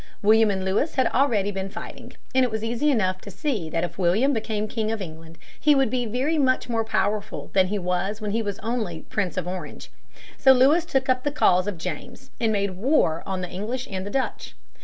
William and Louis had already been fighting, and it was easy enough to see that if William became King of England he would be very much more powerful than he was when he was only Prince of Orange. So Louis took up the cause of James and made war on the English and the Dutch.